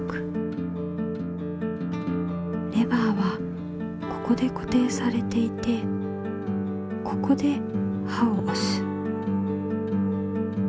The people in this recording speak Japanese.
レバーはここでこていされていてここで刃をおす。